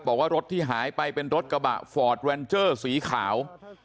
บอกว่ารถที่หายไปเป็นรถกระบะฟอร์ดแวนเจอร์สีขาว